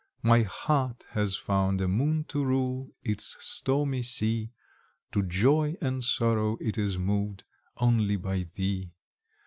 My heart has found a moon to rule Its stormy sea; To joy and sorrow it is moved Only by thee.